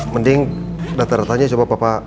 mending data datanya coba papa